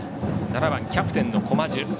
７番、キャプテンの駒壽。